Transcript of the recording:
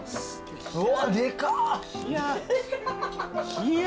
・うわっでかっ！